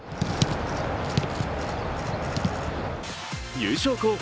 優勝候補